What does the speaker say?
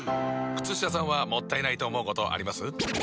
靴下さんはもったいないと思うことあります？